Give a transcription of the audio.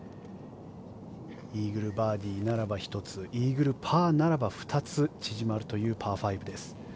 イーグルバーディーならば１つイーグル、パーならば２つ縮まるというパー５です。